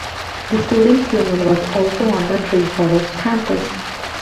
The Students Union was also on the Treforest campus.